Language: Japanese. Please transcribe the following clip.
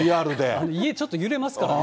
家、ちょっと揺れますからね。